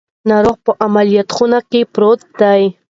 ناروغ په عملیاتو خونه کې پروت دی.